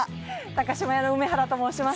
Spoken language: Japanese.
島屋の梅原と申します